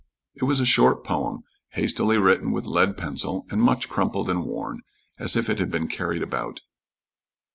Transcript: It was a short poem, hastily written with lead pencil, and much crumpled and worn, as if it had been carried about.